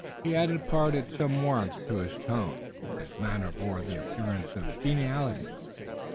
He had imparted some warmth to his tone, and his manner bore the appearance of geniality.